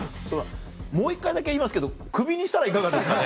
もう１回だけ言いますけどクビにしたらいかがですかね？